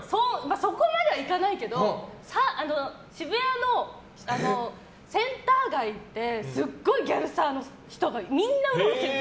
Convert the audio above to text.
そこまではいかないけど渋谷のセンター街ってすごいギャルサーの人がみんなうろうろしてたの。